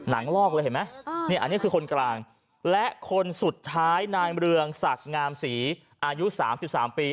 ลอกเลยเห็นไหมนี่อันนี้คือคนกลางและคนสุดท้ายนายเรืองศักดิ์งามศรีอายุ๓๓ปี